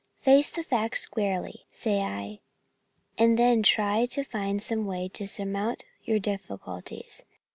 Face the facts squarely, say I, and then try to find some way to surmount your difficulties.